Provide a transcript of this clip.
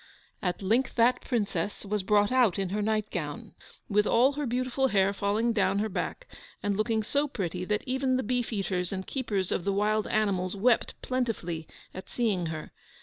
At length that Princess was brought out in her nightgown, with all her beautiful hair falling down her back, and looking so pretty that even the beef eaters and keepers of the wild animals wept plentifully at seeing her.